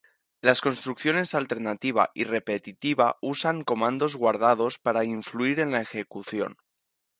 Las construcciones alternativa y repetitiva usan "comandos guardados" para influir en la ejecución.